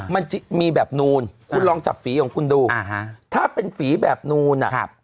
มันจะมีแบบนูนคุณลองจับฝีของคุณดูถ้าเป็นฝีแบบนูนอ่ะ